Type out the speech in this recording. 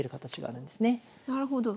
なるほど。